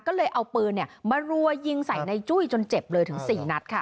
ก็เลยเอาปืนมารัวยิงใส่ในจุ้ยจนเจ็บเลยถึง๔นัดค่ะ